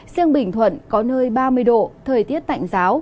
riêng bình thuận có nơi ba mươi độ thời tiết tạnh giáo